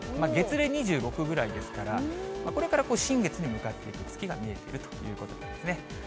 月齢２６ぐらいですから、これから新月に向かっていく月が見えてるということなんですね。